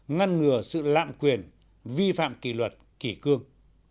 ngăn ngừa sự lạm quyền vi phạm kỳ luật kỳ cương